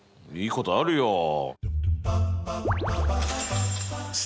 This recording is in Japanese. いいことあるよ。